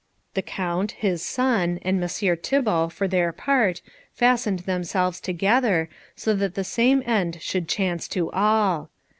The Count, his son, and Messire Thibault for their part, fastened themselves together, so that the same end should chance to all.